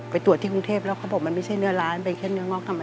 ตรวจที่กรุงเทพแล้วเขาบอกมันไม่ใช่เนื้อร้านเป็นแค่เนื้องอกธรรมดา